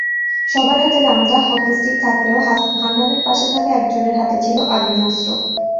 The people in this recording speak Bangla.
সবার হাতে রামদা, হকিস্টিক থাকলেও হান্নানের পাশে থাকা একজনের হাতে ছিল আগ্নেয়াস্ত্র।